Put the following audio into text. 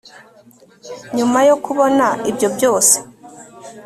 nyuma yo kubona ibyo byose